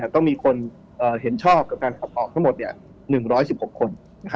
ต้องมีคนเห็นชอบกับการขับออกทั้งหมด๑๑๖คน